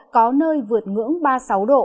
có nơi vượt ngưỡng ba mươi sáu độ